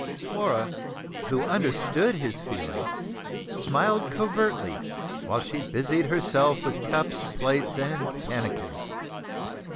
Flora, who understood his feelings, smiled covertly while she busied herself with cups, plates, and pannikins.